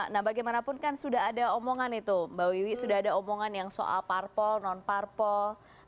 nah bagaimanapun kan sudah ada omongan itu mbak wiwi sudah ada omongan yang soal parpol non parpol